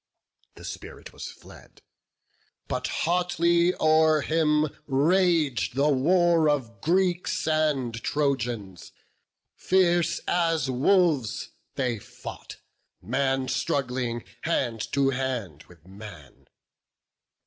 The spirit was fled; but hotly o'er him rag'd The war of Greeks and Trojans; fierce as wolves They fought, man struggling hand to hand with man.